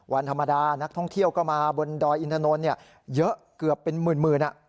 วันธรรมดานักท่องเที่ยวก็มาบนดอยอินถนนเยอะเกือบเป็นหมื่น